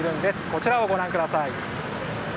こちらをご覧ください。